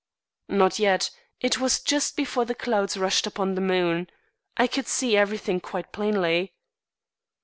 "Not yet. It was just before the clouds rushed upon the moon. I could see everything quite plainly."